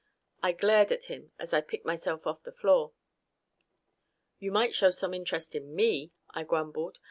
I glared at him as I picked myself off the floor. "You might show some interest in me," I grumbled.